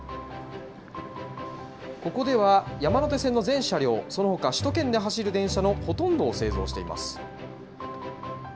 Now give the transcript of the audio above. ここでは、山手線の全車両、そのほか首都圏で走る電車のほとんどを製造しています。